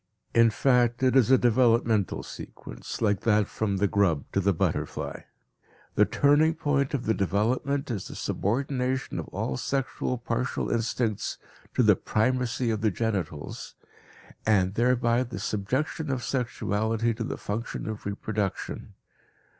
In fact, it is a developmental sequence, like that from the grub to the butterfly. The turning point of the development is the subordination of all sexual partial instincts to the primacy of the genitals, and thereby the subjection of sexuality to the function of reproduction.